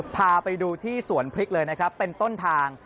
พาไปดูที่สวนพริกเลยนะครับเป็นต้นทาง